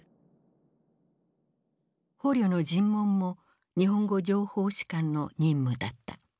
捕虜の尋問も日本語情報士官の任務だった。